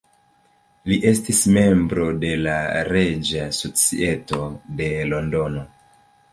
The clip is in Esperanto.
Li estis membro de la Reĝa Societo de Londono.